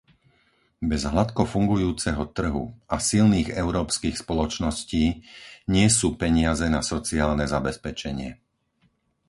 Bez hladko fungujúceho trhu a silných európskych spoločností nie sú peniaze na sociálne zabezpečenie.